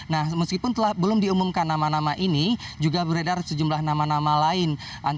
nah meskipun belum diumumkan nama nama ini juga beredar sejumlah nama nama lain